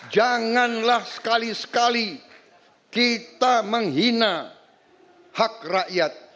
janganlah sekali sekali kita menghina hak rakyat